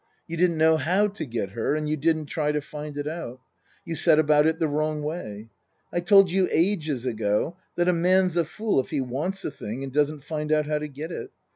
You didn't know how to get her and you didn't try to find out. You set about it the wrong way. I told you ages ago that a man's a fool if he wants a thing and doesn't find out how to get it.